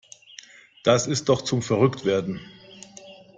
Das ist doch zum verrückt werden.